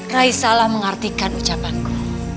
rai salah mengertikan ucapanku